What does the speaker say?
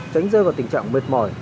tránh rơi vào tình trạng mệt mỏi